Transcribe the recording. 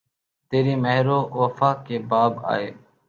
تیری مہر و وفا کے باب آئے